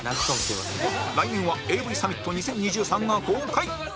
来年は ＡＶ サミット２０２３が公開